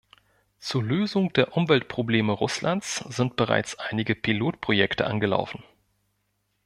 Zur Lösung der Umweltprobleme Russlands sind bereits einige Pilotprojekte angelaufen.